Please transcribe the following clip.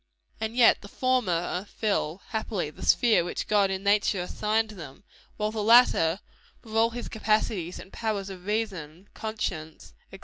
And yet the former fill, happily, the sphere which God in nature assigned them; while the latter, with all his capacities and powers of reason, conscience, &c.